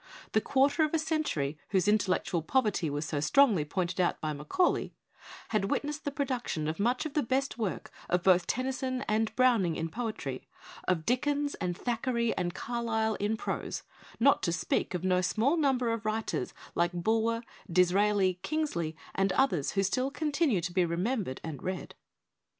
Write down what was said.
The quarter of a century, whose intellectual poverty was so strongly pointed out by Macaulay, had^witnessed the production of much of the best work of both Tennyson and Browning in poetry; of Dickens and Thackeray and Carlyle in prose; not to speak of no small number of writers like Bulwer, Dis raeli, Kingsley and others who still continue to be remembered and read.